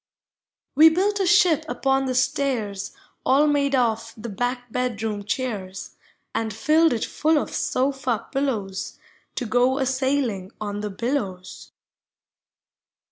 We built a ship upon the stairs All made of the back bedroom chairs, And filled it full of sofa pillows To go a sailing ou the billows.